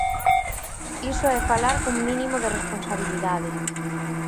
Iso é falar cun mínimo de responsabilidade.